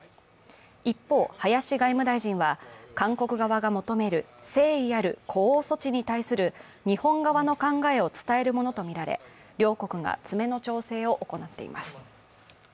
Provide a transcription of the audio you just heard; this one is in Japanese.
一方、林外務大臣は韓国側が求める誠意ある呼応措置に対する日本側の考えを伝えるものとみられ両国が詰めの調整を行っています。